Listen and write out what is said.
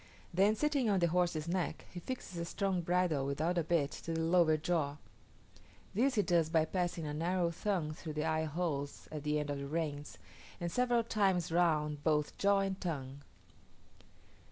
Then sitting on the horse's neck, he fixes a strong bridle, without a bit, to the lower jaw: this he does by passing a narrow thong through the eye holes at the end of the reins, and several times round both jaw and tongue.